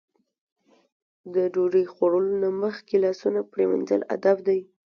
د ډوډۍ خوړلو نه مخکې لاسونه پرېمنځل ادب دی.